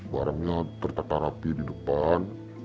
barangnya tertata rapi di depan